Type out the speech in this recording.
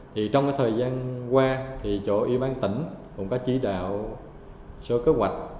thì trong cái thời gian qua thì chỗ y bán tỉnh cũng có chỉ đạo số kế hoạch